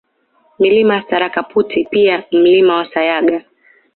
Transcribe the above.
Milima ya Sarakaputa pia Mlima wa Sayaga